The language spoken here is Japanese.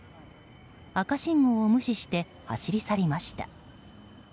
赤信号を無視して走り去りました。